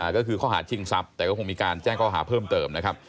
ก็คือข้อหาชิงทรัพย์แต่ก็คงมีการแจ้งข้อหาเพิ่มเติมนะครับ